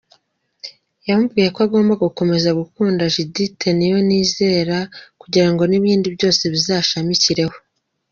Yamubwiye ko agomba gukomeza gukunda Judithe Niyonizera kugirango n’ibindi byose bizashamikireho.